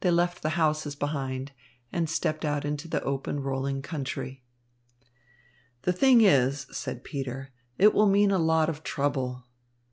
They left the houses behind and stepped out into the open rolling country. "The thing is," said Peter, "it will mean a lot of trouble."